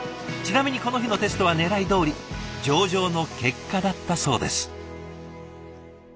ちなみにこの日のテストはねらいどおり上々の結果だったそうです。